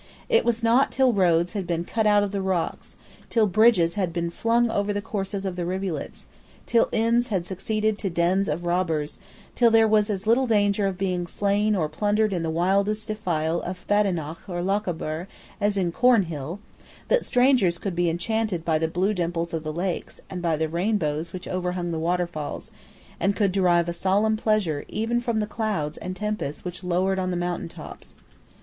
It was not till roads had been cut out of the rocks, till bridges had been flung over the courses of the rivulets, till inns had succeeded to dens of robbers, till there was as little danger of being slain or plundered in the wildest defile of Badenoch or Lochaber as in Cornhill, that strangers could be enchanted by the blue dimples of the lakes and by the rainbows which overhung the waterfalls, and could derive a solemn pleasure even from the clouds and tempests which lowered on the mountain tops.